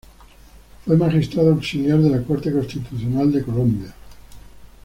Fue magistrado auxiliar de la Corte Constitucional de Colombia.